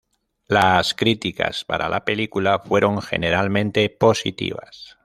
Las críticas para la película fueron generalmente positivas.